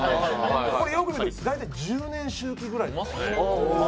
これよく見ると大体１０年周期ぐらい。